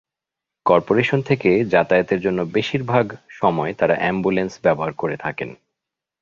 Corporation থেকে যাতায়াতের জন্য বেশির ভাগ সময় তাঁরা অ্যাম্বুলেন্স ব্যবহার করে থাকেন।